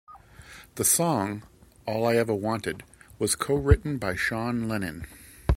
The song "All I Ever Wanted" was co-written by Sean Lennon.